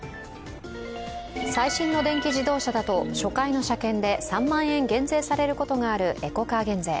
最新の電気自動車だと初回の車検で３万円減税されることがあるエコカー減税。